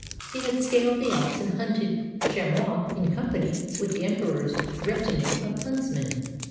He had scaled the Alps and hunted chamois in company with the Emperor's retinue of huntsmen.